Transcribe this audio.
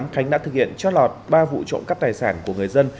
khánh đã thực hiện trót lọt ba vụ trộm cắp tài sản của người dân